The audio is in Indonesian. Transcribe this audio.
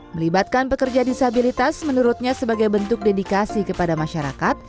melibatkan pekerja disabilitas menurutnya sebagai bentuk dedikasi kepada masyarakat